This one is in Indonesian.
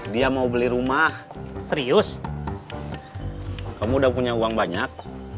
dia mau beli rumah serius kamu udah punya uang banyak